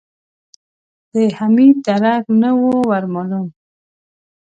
د حميد درک نه و ور مالوم.